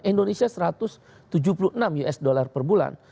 indonesia satu ratus tujuh puluh enam usd per bulan